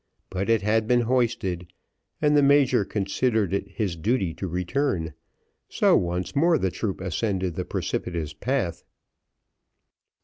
But it had been hoisted, and the major considered it his duty to return, so once more the troop ascended the precipitous path.